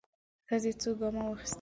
ښځې څو ګامه واخيستل.